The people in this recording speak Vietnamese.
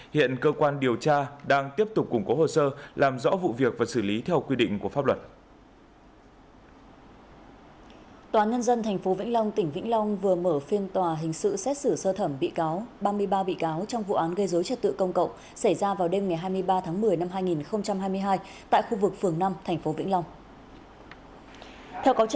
hiện cơ quan điều tra đang tiếp tục củng cố hồ sơ làm rõ vụ việc và xử lý theo quy định của pháp luật